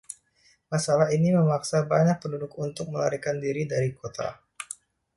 Masalah ini memaksa banyak penduduk untuk melarikan diri dari kota.